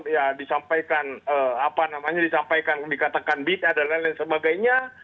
ya disampaikan apa namanya disampaikan dikatakan bitnya dan lain lain sebagainya